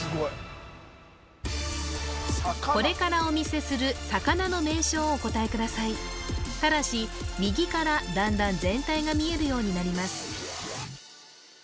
これからお見せする魚の名称をお答えくださいただし右からだんだん全体が見えるようになります